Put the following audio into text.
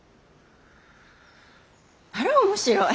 あら面白い。